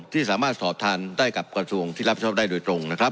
ที่สามารถสอบทานได้กับกระทรวงที่รับชอบได้โดยตรงนะครับ